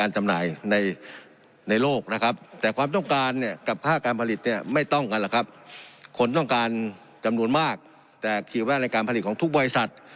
จำนวนมากแต่คิดว่าในการผลิตของทุกบริษัท